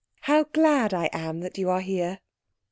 How glad I am that you are here!"